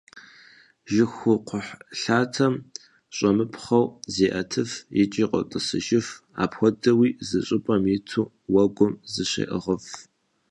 Жьыхукхъухьлъатэм щӏэмыпхъуэу зеӏэтыф икӏи къотӏысыжыф, апхуэдэуи зы щӏыпӏэм иту уэгум зыщеӏыгъыф.